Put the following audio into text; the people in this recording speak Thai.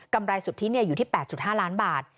กำไรสุดที่อยู่ที่๘๕ล้านบาท